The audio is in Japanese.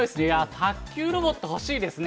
卓球ロボット、欲しいですね。